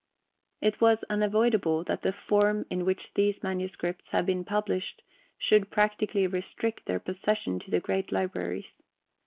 It was unavoidable that the form in which these manuscripts have been published should practically restrict their possession to the great libraries.